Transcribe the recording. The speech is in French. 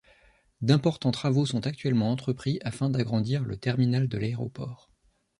D'importants travaux sont actuellement entrepris afin d'agrandir le terminal de l'aéroport.